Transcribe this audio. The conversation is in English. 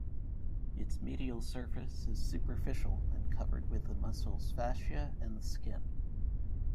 Its medial surface is superficial and covered with the muscle's fascia and the skin.